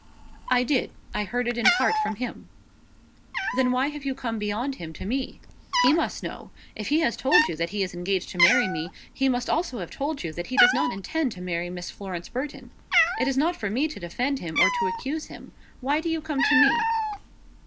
"I did. I heard it in part from him." "Then why have you come beyond him to me? He must know. If he has told you that he is engaged to marry me, he must also have told you that he does not intend to marry Miss Florence Burton. It is not for me to defend him or to accuse him. Why do you come to me?"